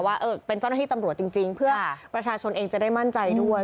ว่าเป็นเจ้าหน้าที่ตำรวจจริงเพื่อประชาชนเองจะได้มั่นใจด้วย